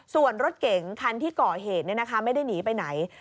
ส่วนรถเก๋งคันที่ก่อเหตุไม่ได้หนีไปไหน